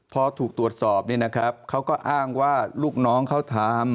พอถูกตรวจสอบเนี่ยนะครับเขาก็อ้างว่าลูกน้องเขาทำ